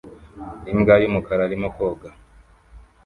Imbwa y'umukara irimo koga